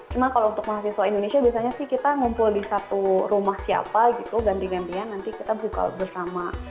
cuma kalau untuk mahasiswa indonesia biasanya sih kita ngumpul di satu rumah siapa gitu ganti gantian nanti kita buka bersama